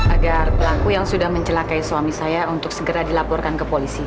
agar pelaku yang sudah mencelakai suami saya untuk segera dilaporkan ke polisi